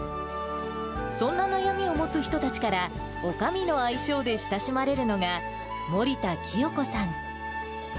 そんな悩みを持つ人たちから、おかみの愛称で親しまれるのが、森田清子さん。